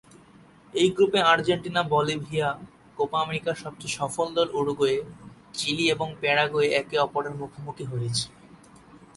এই গ্রুপে Argentina, Bolivia, Copa আমেরিকার সবচেয়ে সফল দল উরুগুয়ে, চিলি এবং প্যারাগুয়ে একে অপরের মুখোমুখি হয়েছে।